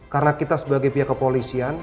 karena kita sebagai pihak kepolisian